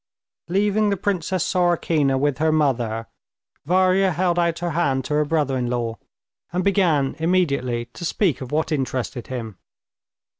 Leaving the Princess Sorokina with her mother, Varya held out her hand to her brother in law, and began immediately to speak of what interested him.